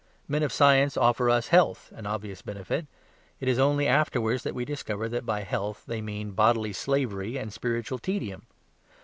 Men of science offer us health, an obvious benefit; it is only afterwards that we discover that by health, they mean bodily slavery and spiritual tedium.